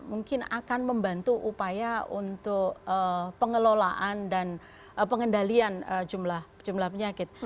mungkin akan membantu upaya untuk pengelolaan dan pengendalian jumlah penyakit